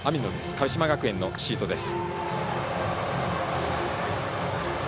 鹿島学園のシートです。